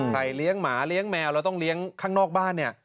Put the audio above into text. เลี้ยงหมาเลี้ยงแมวแล้วต้องเลี้ยงข้างนอกบ้านเนี่ย